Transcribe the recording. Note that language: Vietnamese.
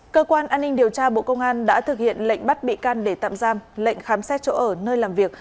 cơ quan an ninh điều tra bộ công an đã thực hiện lệnh bắt bị can để tạm giam lệnh khám xét chỗ ở nơi làm việc